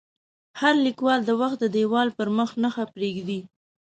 هر لیکوال د وخت د دیوال پر مخ نښه پرېږدي.